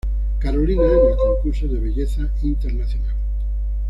Carolina en el concurso de belleza internacional